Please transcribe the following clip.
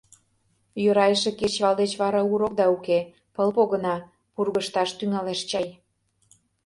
Йӧра эше кечывал деч вара урокда уке, пыл погына, пургыжташ тӱҥалеш чай.